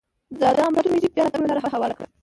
دا د امپراتور مېجي بیا راتګ ته لار هواره کړه.